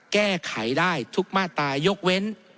แก้ไขได้ทุกมาตายกเว้น